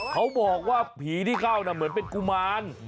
เขาบอกว่าผีที่เข้าน่ะเหมือนเป็นกุมาร